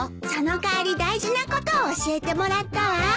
その代わり大事なことを教えてもらったわ。